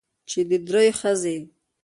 چې د درېو ښځې